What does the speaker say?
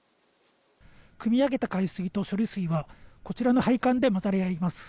くみ上げた海水と処理水はこちらの配管で混ざり合います。